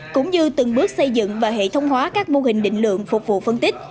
cũng như từng bước xây dựng và hệ thống hóa các mô hình định lượng phục vụ phân tích